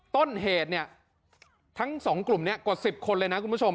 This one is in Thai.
ต้นเหตุเนี่ยทั้งสองกลุ่มนี้กว่า๑๐คนเลยนะคุณผู้ชม